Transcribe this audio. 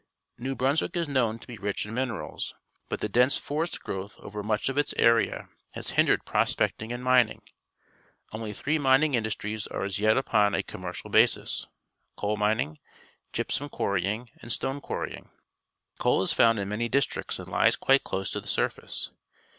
— New Brunswick is known to be rich in minerals, but the dense forest growth over much of its area has hindered prospecting and mining. Only three mining industries are as yet upon a commercial basis — coal mining, g>'psum quarrying, and ■stone qiinrrying . Coal is found in many districts and lies quite close to the surface.